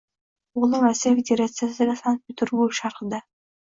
O‘g‘lim Rossiya Federatsiyasidagi Sankt - Peterburg shahrida